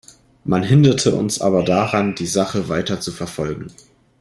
Man hinderte uns aber daran, die Sache weiter zu verfolgen.